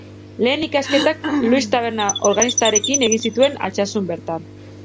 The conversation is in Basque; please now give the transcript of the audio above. Lehen ikasketak Luis Taberna organistarekin egin zituen Altsasun bertan.